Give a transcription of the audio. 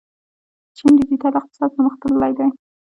چین ډیجیټل اقتصاد پرمختللی دی.